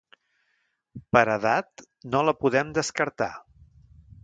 Per edat no la podem descartar.